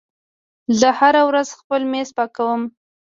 زه هره ورځ خپل میز پاکوم.